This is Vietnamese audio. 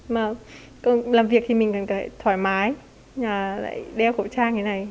mà làm việc thì mình cần phải thoải mái đeo khẩu trang như này